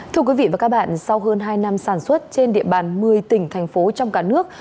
thưa quý vị và các bạn sau hơn hai năm sản xuất trên địa bàn một mươi tỉnh thành phố trong cả nước